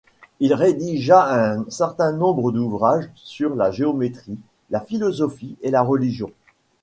Il rédigea un certain nombre d'ouvrages sur la géométrie, la philosophie et la religion.